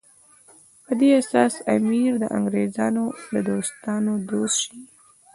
په دې اساس امیر د انګریزانو د دوستانو دوست شي.